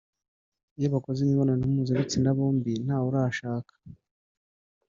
iyo bakoze imibonano mpuzabitsina bombi ntawe urashaka